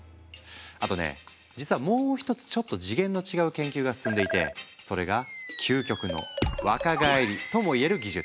あとね実はもう一つちょっと次元の違う研究が進んでいてそれが究極の若返りともいえる技術。